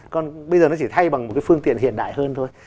còn bây giờ nó chỉ thay bằng một cái phương tiện hiện đại hơn thôi